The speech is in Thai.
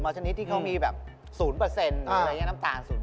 มัวชนิดที่เค้ามีแบบ๐หรืออะไรอย่างนี้น้ำตาล๐